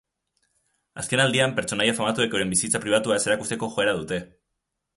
Azken aldian pertsonaia famatuek euren bizitza pribatua ez erakusteko joera dute.